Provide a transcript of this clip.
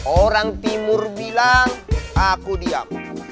orang timur bilang aku diam